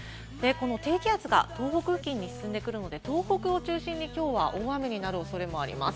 低気圧が東北付近に進んでくるので、東北を中心にきょうは大雨になる恐れがあります。